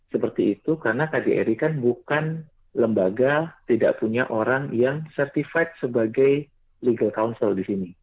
seperti itu karena kbri kan bukan lembaga tidak punya orang yang certified sebagai legal council di sini